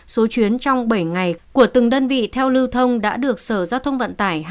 số chuyến trong bảy ngày của từng đơn vị theo lưu thông đã được sở giao thông vận tải